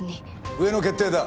上の決定だ。